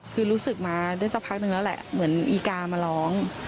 คือรู้สึกมาได้สักพักนึงแล้วแหละเหมือนอีกามาร้อง